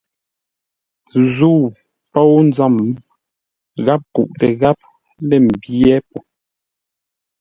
Zə̂u póu nzə́m, gháp kuʼtə gháp lə̂ mbyé po.